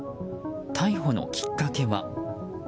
逮捕のきっかけは。